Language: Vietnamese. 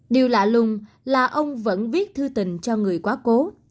điều lạ lùng là ông vẫn viết thư tình cho người quá cố